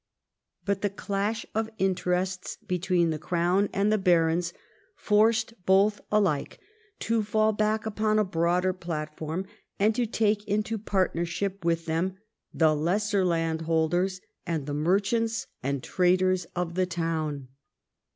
But the clash of interests between the crown and the barons forced both alike to fall back upon a broader platform, and to take into partnership with them the lesser landholders and the merchants and traders of the towns.